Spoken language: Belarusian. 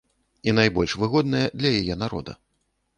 І найбольш выгодная для яе народа.